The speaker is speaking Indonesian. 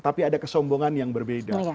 tapi ada kesombongan yang berbeda